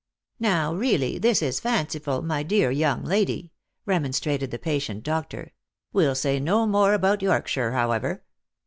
" Now, really this is fanciful, my dear young lady, remon strated the patient doctor ;" we'll say no more about Yorkshire, however.